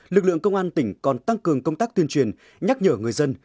lực lượng công an tỉnh còn tăng cường công tác tuyên truyền nhắc nhở người dân